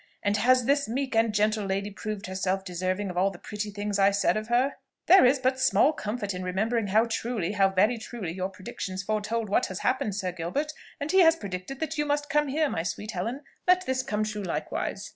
And has this meek and gentle lady proved herself deserving of all the pretty things I said of her?" "There is but small comfort in remembering how truly, how very truly, your predictions foretold what has happened, Sir Gilbert: and he has predicted that you must come here, my sweet Helen; let this come true likewise."